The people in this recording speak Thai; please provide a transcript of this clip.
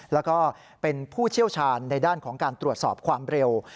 แล้วก็เป็นผู้เชี่ยวชาญในด้านของการตรวจสอบความเร็ว